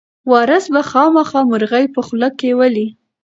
وارث به خامخا مرغۍ په غولکه ولي.